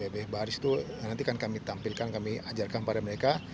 baris itu nanti kami tampilkan kami ajarkan pada mereka